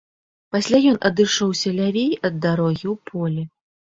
Пасля ён адышоўся лявей ад дарогі ў поле.